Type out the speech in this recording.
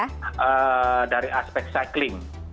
ketiga dari aspek cycling